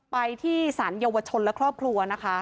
ไปที่สารเยาวชนและครอบครัวนะคะ